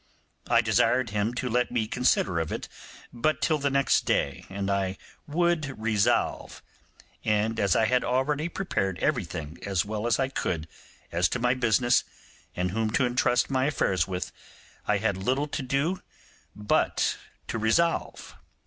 I desired him to let me consider of it but till the next day, and I would resolve: and as I had already prepared everything as well as I could as to MY business, and whom to entrust my affairs with, I had little to do but to resolve.